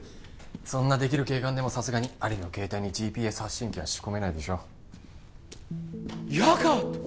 そんなできる警官でもさすがにアリの携帯に ＧＰＳ 発信機は仕込めないでしょヤーガード！